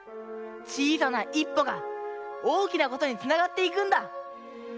ちいさな一歩がおおきなことにつながっていくんだ！